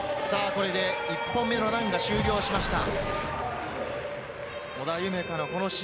これで１本目のランが終了しました。